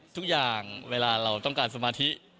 ทุกอย่างเวลาเราต้องการสมาธิ